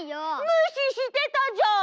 むししてたじゃん！